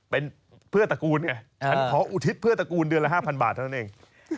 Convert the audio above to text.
เป็นเพื่อตระกูลไงฉันขออุทิศเพื่อตระกูลเดือนละ๕๐๐บาทเท่านั้นเอง